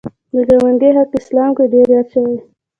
د ګاونډي حق اسلام کې ډېر یاد شوی